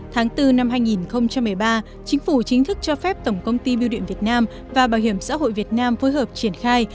tháng bốn năm hai nghìn một mươi ba chính phủ chính thức cho phép tổng công ty biêu điện việt nam và bảo hiểm xã hội việt nam phối hợp triển khai